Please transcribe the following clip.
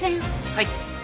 はい。